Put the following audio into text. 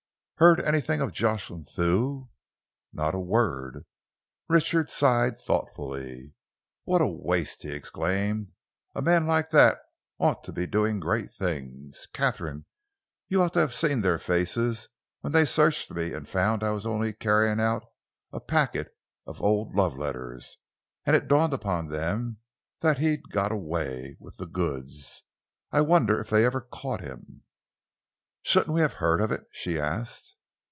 "Heard anything of Jocelyn Thew?" "Not a word." Richard sighed thoughtfully. "What a waste!" he exclaimed. "A man like that ought to be doing great things. Katharine, you ought to have seen their faces when they searched me and found I was only carrying out a packet of old love letters, and it dawned upon them that he'd got away with the goods! I wonder if they ever caught him." "Shouldn't we have heard of it?" she asked.